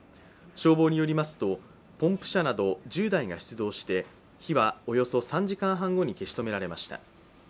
消防によりますと、ポンプ車など１０台が出動して、火はおよそ３時間半後に消し止められました。